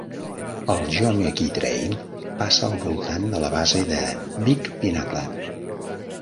El Jomeokee Trail passa al voltant de la base de Big Pinnacle.